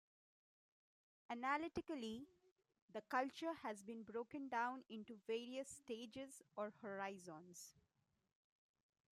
Analytically, the culture has been broken down into various stages or horizons.